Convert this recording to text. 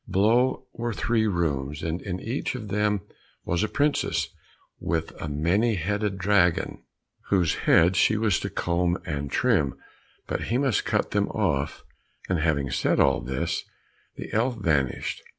Below were three rooms, and in each of them was a princess, with a many headed dragon, whose heads she was to comb and trim, but he must cut them off. And having said all this, the elf vanished.